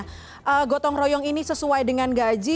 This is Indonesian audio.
karena gotong royong ini sesuai dengan gaji